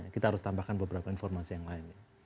kita harus tambahkan beberapa informasi yang lain